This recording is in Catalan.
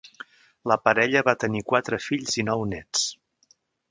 La parella va tenir quatre fills i nou nets.